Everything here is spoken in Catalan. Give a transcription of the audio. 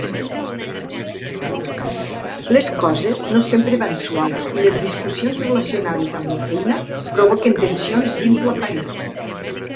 Les coses no sempre van suaus i les discussions relacionades amb la feina provoquen tensions dins la parella.